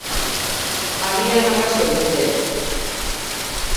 Agian, arrazoi dute.